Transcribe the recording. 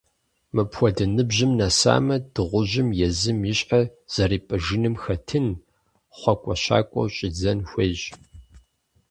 Мыпхуэдэ ныбжьым нэсамэ, дыгъужьым езым и щхьэр зэрипӀыжыным хэтын, хъуакӀуэщакӀуэу щӀидзэн хуейщ.